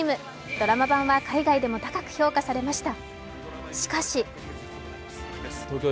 ドラマ版は海外でも高く評価されました。